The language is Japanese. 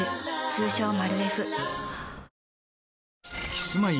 キスマイ